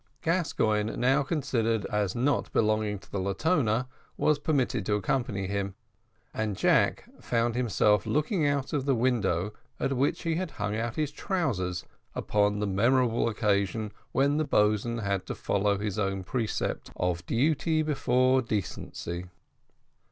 Gascoigne, now considered as not belonging to the Latona, was permitted to accompany him; and Jack found himself looking out of the window at which he had hung out his trousers upon the memorable occasion when the boatswain had to follow his own precept, of duty before decency.